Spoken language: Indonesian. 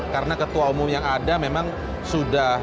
karena ketua umum yang ada memang sudah